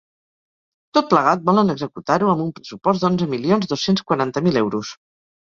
Tot plegat, volen executar-ho amb un pressupost d’onze milions dos-cents quaranta mil euros.